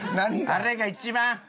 あれが一番。